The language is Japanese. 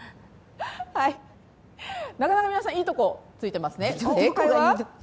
なかなか皆さん、いいところを突いていますね。